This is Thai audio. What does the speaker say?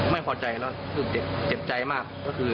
ไม่พอใจแล้วคือเจ็บใจมากก็คือ